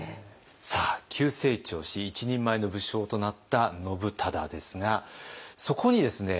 さあ急成長し一人前の武将となった信忠ですがそこにですね